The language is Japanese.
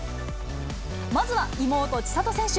まずは妹、千怜選手。